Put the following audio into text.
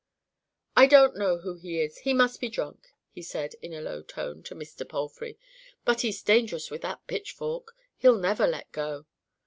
"I don't know who he is; he must be drunk," he said, in a low tone to Mr. Palfrey. "But he's dangerous with that pitchfork. He'll never let it go."